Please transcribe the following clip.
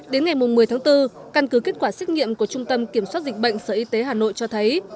đến ngày một mươi tháng bốn căn cứ kết quả xét nghiệm của trung tâm kiểm soát dịch bệnh sở y tế hà nội cho thấy